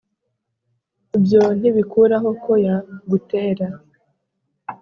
ibyo ntibikuraho ko yagutera